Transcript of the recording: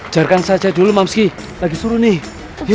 jarkan saja dulu mamski lagi suruh nih